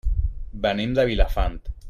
Venim de Vilafant.